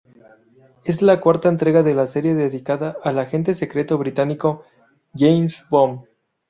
Es la cuarta entrega de la serie dedicada al agente secreto británico James Bond.